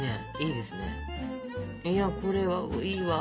いやこれはいいわ。